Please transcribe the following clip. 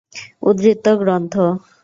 উদ্ধৃত গ্রন্থ